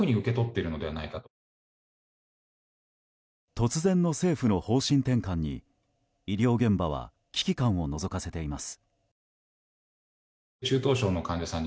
突然の政府の方針転換に医療現場は危機感をのぞかせています。